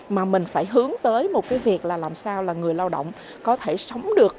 mà mình phải hướng tới một cái việc là làm sao là người lao động có thể sống được